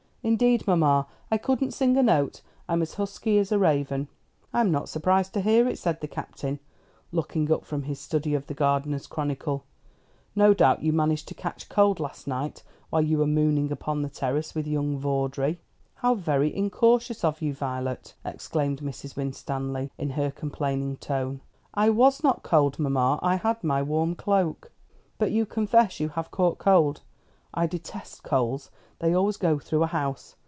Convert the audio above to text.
"Indeed, mamma, I couldn't sing a note. I'm as husky as a raven." "I'm not surprised to hear it," said the Captain, looking up from his study of The Gardener's Chronicle. "No doubt you managed to catch cold last night, while you were mooning upon the terrace with young Vawdrey." "How very incautious of you, Violet!" exclaimed Mrs. Winstanley, in her complaining tone. "I was not cold, mamma; I had my warm cloak." "But you confess you have caught cold. I detest colds; they always go through a house.